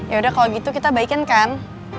yaudah kalau gitu kita baikin kan